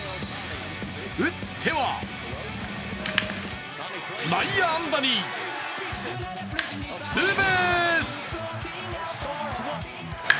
打っては内野安打にツーベース！